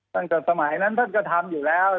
ตั้งแต่สมัยนั้นท่านก็ทำอยู่แล้ว